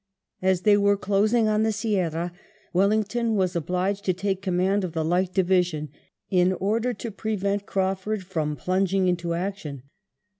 As they were closing on the Sierra, Wellington was obliged to take command of the Light Division, in order to prevent Craufurd from plunging into action.